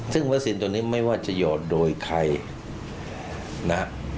ซึ่งวัคซีนตัวนี้ไม่ว่าจะหยอดโดยใครนะฮะ